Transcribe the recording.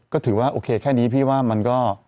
ก็ถือว่าโอเคแค่นี้พี่ว่ามันก็